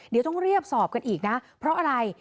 เดี๋ยวต้องเรียกสอบกันอีกนะเพราะอะไร